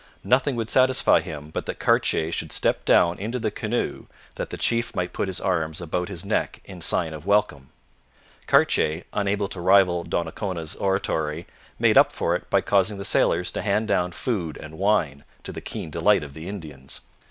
Nothing would satisfy him but that Cartier should step down into the canoe, that the chief might put his arms about his neck in sign of welcome. Cartier, unable to rival Donnacona's oratory, made up for it by causing the sailors hand down food and wine, to the keen delight of the Indians.